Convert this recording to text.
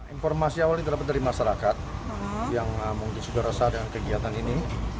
informasi awal yang terdapat dari masyarakat yang mungkin sudah resah dengan kegiatan ini